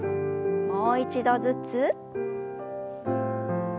もう一度ずつ。